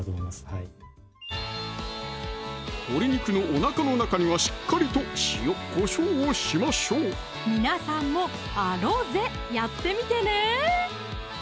はい鶏肉のお腹の中にはしっかりと塩・こしょうをしましょう皆さんもアロゼやってみてね